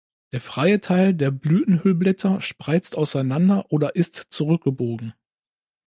Der freie Teil der Blütenhüllblätter spreizt auseinander oder ist zurückgebogen.